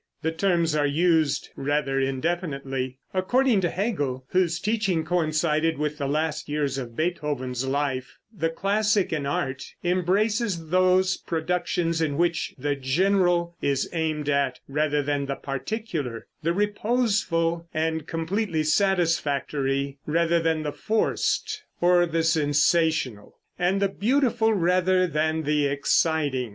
The terms are used rather indefinitely. According to Hegel, whose teaching coincided with the last years of Beethoven's life, the classic in art embraces those productions in which the general is aimed at, rather than the particular; the reposeful and completely satisfactory, rather than the forced, or the sensational; and the beautiful rather than the exciting.